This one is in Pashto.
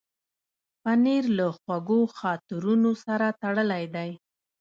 پنېر له خوږو خاطرونو سره تړلی دی.